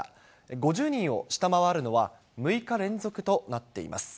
５０人を下回るのは６日連続となっています。